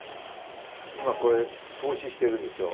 今これ透視してるんですよ。